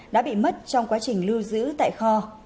đã bị mất trong quá trình lưu giữ tại kho